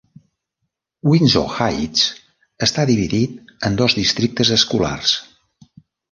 Windsor Heights està dividit en dos districtes escolars.